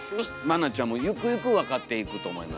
マナちゃんもゆくゆく分かっていくと思います。